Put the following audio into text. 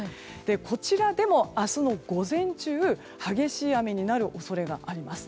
こちらでも明日の午前中激しい雨になる恐れがあります。